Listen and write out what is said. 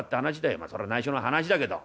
まあそら内緒の話だけど。